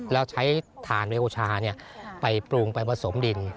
แล้วใช้ฐานเวโอชาไปปรุงไปผสมดิน